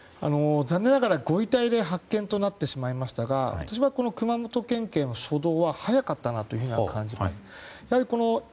残念ながらご遺体で発見となってしまいましたが私は、この熊本県警の初動は早かったなと感じます。